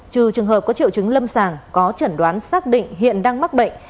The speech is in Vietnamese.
trừ trường hợp có triệu chứng lâm sàng có chẩn đoán xác định hiện đang mắc bệnh